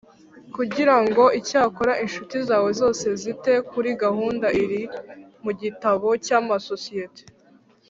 Kujyira ngo Icyakora incuti zawe zose zite kuri gahunda iri mu gitabo cy amasosiyete